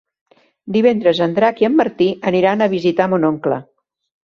Divendres en Drac i en Martí aniran a visitar mon oncle.